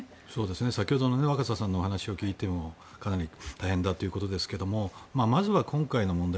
先ほどの若狭さんの話を聞いてもかなり大変だということですがまずは今回の問題